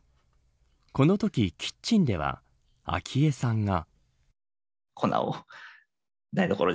このときキッチンでは昭恵さんが。